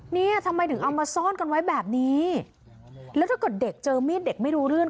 เนี่ยทำไมถึงเอามาซ่อนกันไว้แบบนี้แล้วถ้าเกิดเด็กเจอมีดเด็กไม่รู้เรื่อง